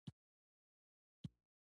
دا علمي او فکري کار دی.